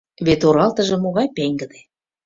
— Вет оралтыже могай пеҥгыде.